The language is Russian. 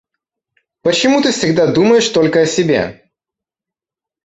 Почему ты всегда думаешь только о себе?